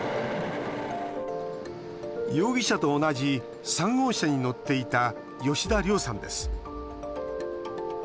容疑者と同じ３号車に乗っていた吉田涼さんです。